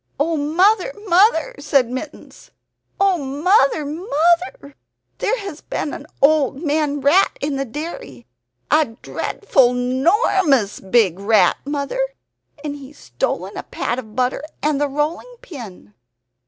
"Oh, Mother, Mother!" said Mittens "Oh! Mother, Mother, there has been an old man rat in the dairy a dreadful 'normous big rat, Mother; and he's stolen a pat of butter and the rolling pin."